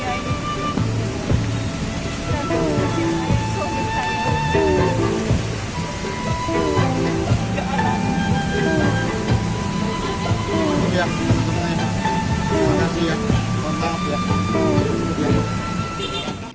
saya sangat berharga